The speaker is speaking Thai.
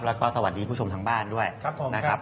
และก็สวัสดีผู้ชมทางบ้านด้วยครับผมครับ